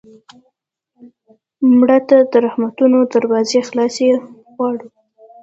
مړه ته د رحمتونو دروازې خلاصې غواړو